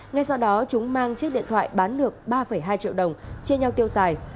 ngay sau đó chúng mang chiếc điện thoại bán được ba hai triệu đồng chia nhau tiêu xài